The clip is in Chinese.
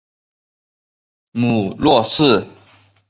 母骆氏。